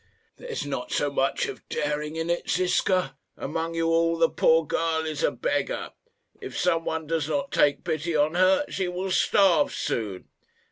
"There is not so much of daring in it, Ziska. Among you all the poor girl is a beggar. If some one does not take pity on her, she will starve soon."